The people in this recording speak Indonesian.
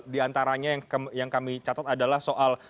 di antaranya yang kami catat adalah soal